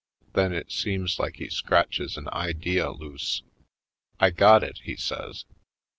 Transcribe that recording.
Then it seems like he scratches an idea loose. ^'I got it," he says.